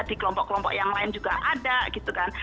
di kelompok kelompok yang lain juga ada